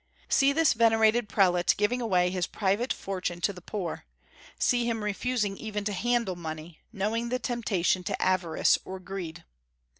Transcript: See this venerated prelate giving away his private fortune to the poor; see him refusing even to handle money, knowing the temptation to avarice or greed.